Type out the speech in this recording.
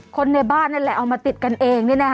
คนในบ้านนั่นแหละเอามาติดกันเอง